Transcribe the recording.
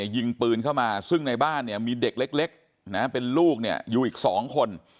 ยิงปืนเข้ามาซึ่งในบ้านเนี่ยมีเด็กเล็กเป็นลูกอยู่อีก๒คน